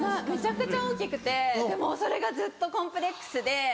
めちゃくちゃ大きくてそれがずっとコンプレックスで。